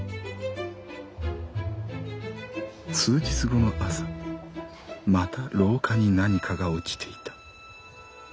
「数日後の朝また廊下に何かが落ちていた。